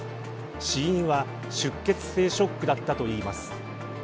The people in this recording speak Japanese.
死因は出血性ショックだったといいます。